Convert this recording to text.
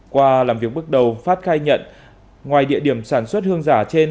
qua làm việc bước đầu phát khai nhận ngoài địa điểm sản xuất hương giả trên